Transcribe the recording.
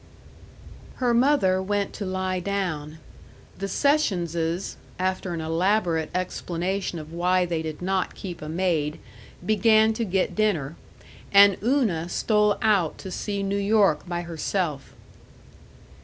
Her mother went to lie down; the Sessionses (after an elaborate explanation of why they did not keep a maid) began to get dinner, and Una stole out to see New York by herself.